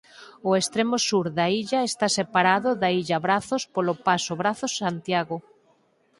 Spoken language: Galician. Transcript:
O extremo sur da illa está separado da Illa Brazos polo Paso Brazos Santiago.